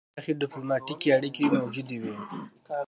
پراخې ډیپلوماتیکې اړیکې موجودې وې.